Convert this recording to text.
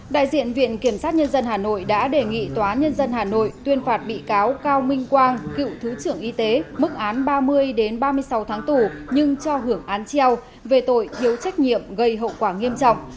đại diện viện kiểm sát nhân dân hà nội đã đề nghị tòa nhân dân hà nội tuyên phạt bị cáo cao minh quang cựu thứ trưởng y tế mức án ba mươi ba mươi sáu tháng tù nhưng cho hưởng án treo về tội thiếu trách nhiệm gây hậu quả nghiêm trọng